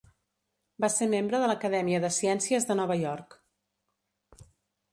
Va ser membre de l'Acadèmia de Ciències de Nova York.